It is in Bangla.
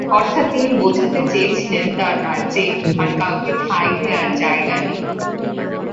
অর্থাৎ তিনি বোঝাতে চেয়েছিলেন তার রাজ্যে আর কাউকে ঠাঁই দেয়ার জায়গা নেই।